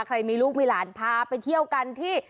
ใครมีลูกมีหลานพาไปเที่ยวกันที่